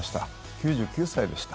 ９９歳でした。